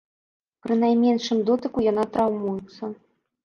Пры найменшым дотыку яна траўмуецца.